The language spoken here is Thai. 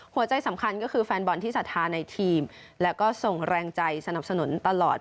หัวใจสำคัญก็คือแฟนบอลที่สัทธาในทีมแล้วก็ส่งแรงใจสนับสนุนตลอด